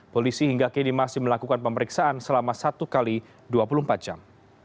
polisi hingga kini masih melakukan pemeriksaan selama satu x dua puluh empat jam